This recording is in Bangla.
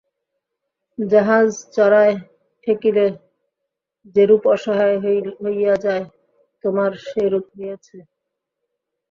জাহাজ চড়ায় ঠেকিলে যেরূপ অসহায় হইয়া যায়, তোমার সেইরূপ হইয়াছে।